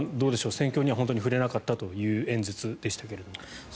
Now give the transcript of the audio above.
戦況には触れなかったという演説でしたが。